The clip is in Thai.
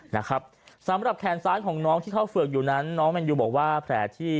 นะครับสำหรับแขนซ้ายของน้องที่เข้าเฝือกอยู่นั้นน้องแมนยูบอกว่าแผลที่